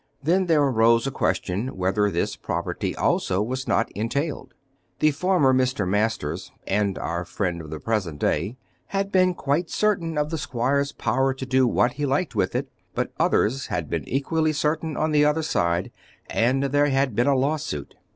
Then there arose a question whether this property also was not entailed. The former Mr. Masters, and our friend of the present day, had been quite certain of the squire's power to do what he liked with it; but others had been equally certain on the other side, and there had been a lawsuit.